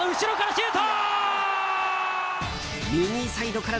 シュート！